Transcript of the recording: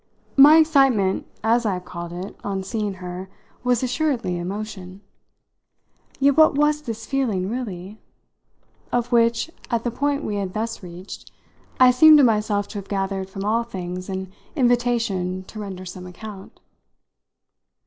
My excitement, as I have called it, on seeing her, was assuredly emotion. Yet what was this feeling, really? of which, at the point we had thus reached, I seemed to myself to have gathered from all things an invitation to render some account.